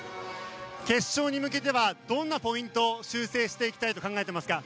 決勝に向けてはどんなポイントを修正していきたいと考えていますか？